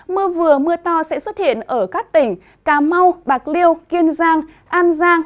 mưa vừa mưa to sẽ xuất hiện ở các tỉnh cà mau bạc liêu kiên giang an giang